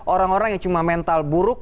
orang orang yang cuma mental buruk